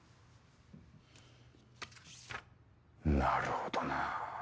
なるほどな。